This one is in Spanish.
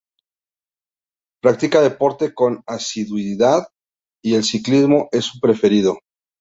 Practica deporte con asiduidad y el ciclismo es su preferido.